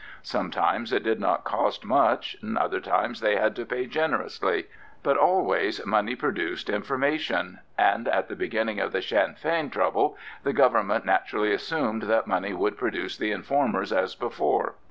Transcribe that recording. Sometimes it did not cost much, other times they had to pay generously, but always money produced information; and at the beginning of the Sinn Fein trouble the Government naturally assumed that money would produce the informers as before.